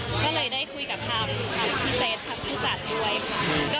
ก็เลยได้คุยกับทางพี่เฟสทางผู้จัดด้วยค่ะ